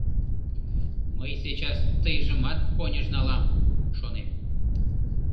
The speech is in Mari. «Мый сейчас тыйжымат поньыж налам», — шонем.